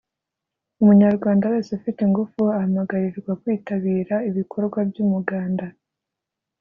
umunyarwanda wese ufite ingufu ahamagarirwa kwitabira ibikorwa by’umuganda